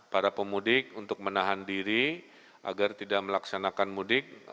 para pemudik untuk menahan diri agar tidak melaksanakan mudik